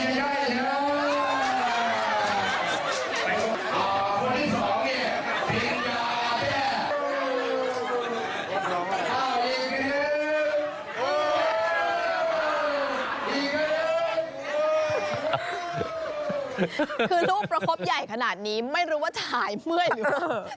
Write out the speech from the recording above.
คือลูกประคบใหญ่ขนาดนี้ไม่รู้ว่าฉายเมื่อยหรือเปล่า